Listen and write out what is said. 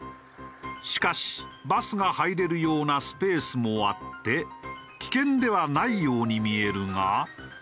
しかしバスが入れるようなスペースもあって危険ではないように見えるが。